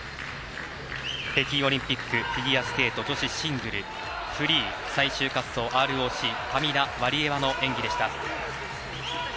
北京オリンピックフィギュアスケート女子シングルフリー最終滑走ＲＯＣカミラ・ワリエワの演技でした。